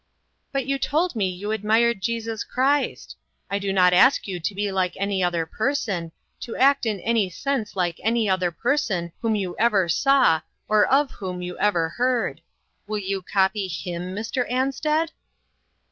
" But you told me you admired Jesus Christ. I do not ask you to be like any other person to act in any sense like any other person whom you ever saw or of whom you ever heard. Will you copy him, Mr. Ansted?"